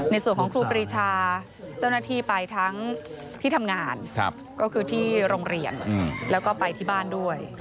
ในส่วนของครูปรีชาเจ้าหน้าที่ไปทั้งที่ทำงานก็คือที่โรงเรียนแล้วก็ไปที่บ้านด้วย